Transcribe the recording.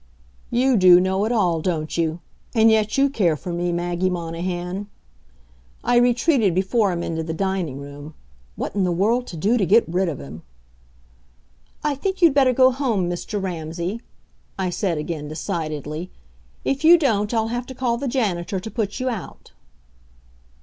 You do know it all, don't you? And yet you care for me, Maggie Monahan! I retreated before him into the dining room. What in the world to do to get rid of him! "I think you'd better go home, Mr. Ramsay," I said again, decidedly. "If you don't, I'll have to call the janitor to put you out."